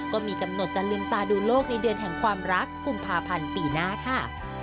ก็มีกำหนดจะลืมตาดูโลกในเดือนแห่งความรักกุมภาพันธ์ปีหน้าค่ะ